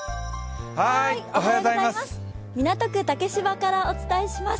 港区竹芝からお伝えします。